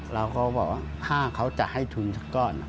เราก็บอกว่าถ้าเขาจะให้ทุนสักก้อน